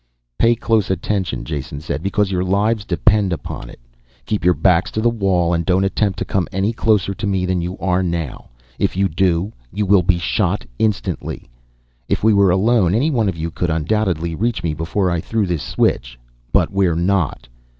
"Pay close attention," Jason said, "because your lives depend upon it. Keep your backs to the wall and don't attempt to come any closer to me than you are now. If you do, you will be shot instantly. If we were alone, any one of you could undoubtedly reach me before I threw this switch. But we're not.